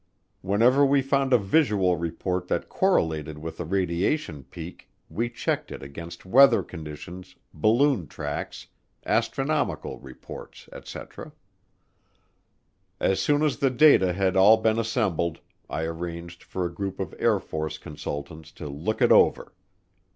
Whenever we found a visual report that correlated with a radiation peak we checked it against weather conditions, balloon tracks, astronomical reports, etc. As soon as the data had all been assembled, I arranged for a group of Air Force consultants to look it over.